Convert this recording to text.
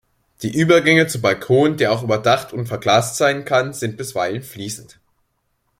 Die Übergänge zum Balkon, der auch überdacht und verglast sein kann, sind bisweilen fließend.